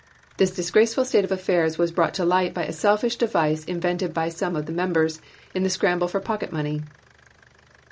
This disgraceful state of affairs was brought to light by a selfish device invented by some of the Members, in the scramble for pocket money.